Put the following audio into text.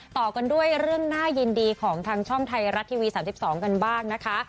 ต่อกันด้วยเรื่องน่ายินดีของทางช่องไทยรัฐทีวี๓๒กันบ้างนะคะ